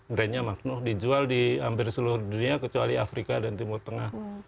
brand nya magno dijual di hampir seluruh dunia kecuali afrika dan timur tengah